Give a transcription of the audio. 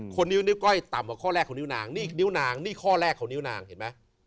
คนนิ้วก้อยต่ำกว่าข้อแรกของนิ้วนางนี่นิ้วนางนี่ข้อแรกของนิ้วนางเห็นไหม